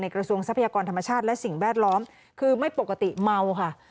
กระทรวงทรัพยากรธรรมชาติและสิ่งแวดล้อมคือไม่ปกติเมาค่ะ